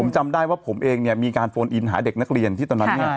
ผมจำได้ว่าผมเองเนี่ยมีการโฟนอินหาเด็กนักเรียนที่ตอนนั้นเนี่ย